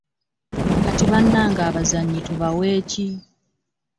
Kati bannage abazannyi tubawe ki?